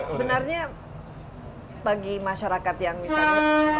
sebenarnya bagi masyarakat yang misalnya